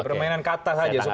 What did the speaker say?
permainan kata saja